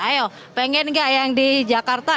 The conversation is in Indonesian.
ayo pengen gak yang di jakarta